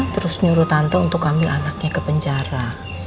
terus nyuruh tante untuk ambil anaknya ke penjara